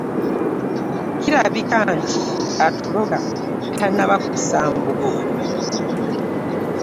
Kirabika nti, atuloga tannaba kussa mbugo.